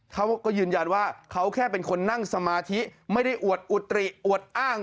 เขาก็ยืนยันว่าเขาแค่เป็นคนนั่งสมาธิไม่ได้อวดอุตริอวดอ้าง